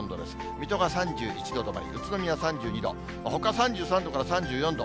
水戸が３１度止まり、宇都宮３２度、ほか３３度から３４度。